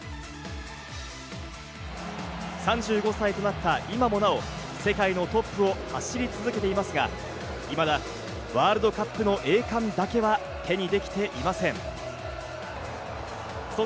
３５歳となった今もなお世界のトップを走り続けていますが、いまだワールドカップの栄冠だけは手にできていません。